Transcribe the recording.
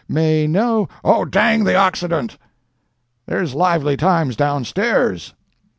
May no—" "Oh, dang the Occident! There's lively times downstairs.